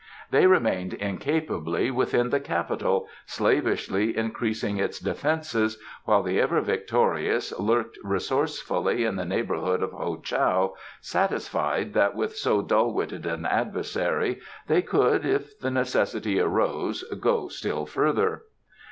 They remained incapably within the capital slavishly increasing its defences, while the Ever victorious lurked resourcefully in the neighbourhood of Ho Chow, satisfied that with so dull witted an adversary they could, if the necessity arose, go still further.